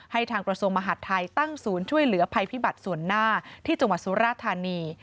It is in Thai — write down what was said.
ทางกระทรวงมหาดไทยตั้งศูนย์ช่วยเหลือภัยพิบัตรส่วนหน้าที่จังหวัดสุราธานี